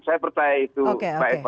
saya percaya itu mbak eva